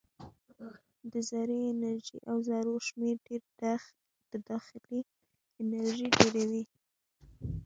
د ذرې انرژي او ذرو شمیر ډېر د داخلي انرژي ډېروي.